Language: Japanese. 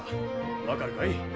分かるかい？